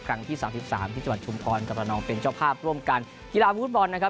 ครั้งที่สามสิบสามที่จังหวัดชุมพรกับระนองเป็นเจ้าภาพร่วมกันกีฬาวูดบอลนะครับ